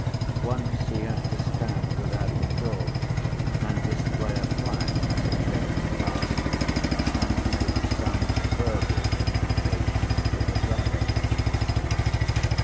Once, he had to stand without the door, and display a flag as a train passed, and make some verbal communication to the driver.